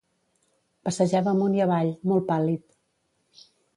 Passejava amunt i avall, molt pàl·lid.